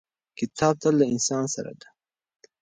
کتاب تل له انسان سره دی.